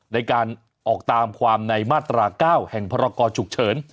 ในการออกตามความในมาตรา๙แห่งพรกรฉุกเฉิน